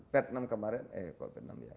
ped enam kemarin eh kalau ped enam ya